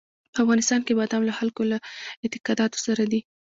په افغانستان کې بادام له خلکو له اعتقاداتو سره دي.